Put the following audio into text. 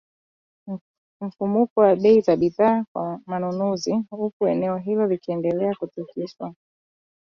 mfumuko wa bei za bidhaa kwa wanunuzi, uku eneo hilo likiendelea kutikiswa na